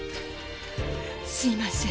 すいません。